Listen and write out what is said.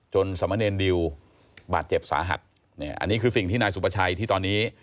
สมเนรดิวบาดเจ็บสาหัสเนี่ยอันนี้คือสิ่งที่นายสุประชัยที่ตอนนี้